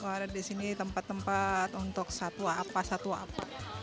ada di sini tempat tempat untuk satwa apa satwa apa